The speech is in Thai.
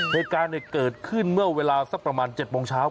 เหตุการณ์เกิดขึ้นเมื่อเวลาสักประมาณ๗โมงเช้า